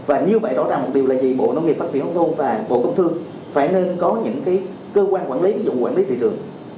và như vậy rõ ràng một điều là gì bộ nông nghiệp phát triển nông thôn và bộ công thương phải nên có những cơ quan quản lý dụ quản lý thị trường